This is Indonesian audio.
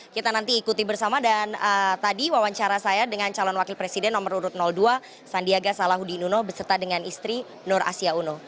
kita nanti ikuti bersama dan tadi wawancara saya dengan calon wakil presiden nomor urut dua sandiaga salahuddin uno beserta dengan istri nur asia uno